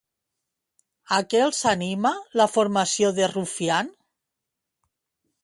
A què els anima la formació de Rufián?